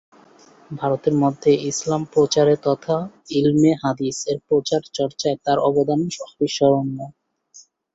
ভারতের মধ্যে ইসলাম প্রচারে তথা ইলমে হাদিস-এর প্রচার চর্চায় তার অবদান অবিস্মরণীয়।